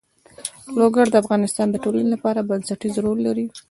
لوگر د افغانستان د ټولنې لپاره بنسټيز رول لري.